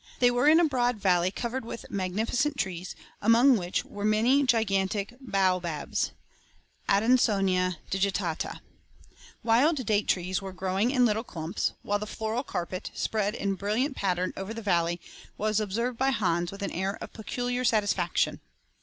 They were in a broad valley, covered with magnificent trees, among which were many gigantic baobabs (Adansonia digitata). Wild date trees were growing in little clumps; while the floral carpet, spread in brilliant pattern over the valley, was observed by Hans with an air of peculiar satisfaction.